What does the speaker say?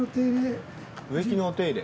植木のお手入れ？